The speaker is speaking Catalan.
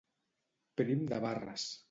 Prim de barres.